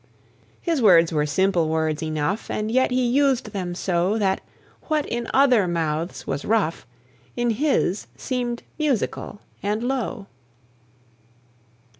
His words were simple words enough, And yet he used them so, That what in other mouths was rough In his seemed musical and low.